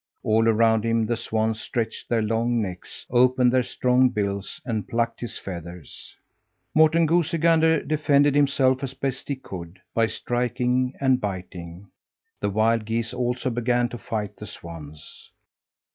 All around him the swans stretched their long necks, opened their strong bills, and plucked his feathers. Morten Goosey Gander defended himself as best he could, by striking and biting. The wild geese also began to fight the swans.